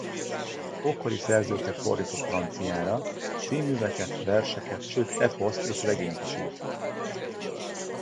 Ókori szerzőket fordított franciára, színműveket, verseket, sőt eposzt és regényt is írt.